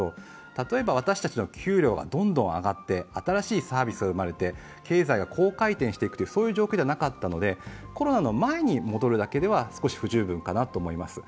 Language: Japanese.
例えば私たちの給料がどんどん上がって新しいサービスが生まれて経済が好回転していくという状況ではなかったのでコロナの前に戻るだけでは少し不十分かなと思います。